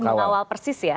mengawal persis ya